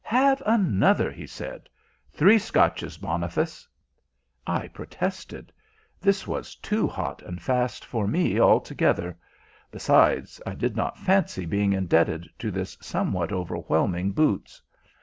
"Have another," he said. "Three Scotches, Boniface." I protested. This was too hot and fast for me altogether. Besides, I did not fancy being indebted to this somewhat overwhelming boots.